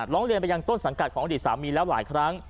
ร้องเรียนไปยังต้นสังกัดของอดีตสามีแล้วหลายครั้ง